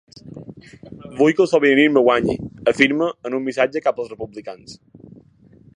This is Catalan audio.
Vull que el sobiranisme guanyi, afirma en un missatge cap als republicans.